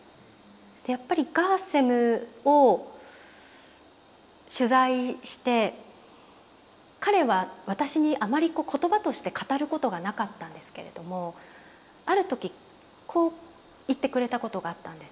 やっぱりガーセムを取材して彼は私にあまり言葉として語ることがなかったんですけれどもある時こう言ってくれたことがあったんです。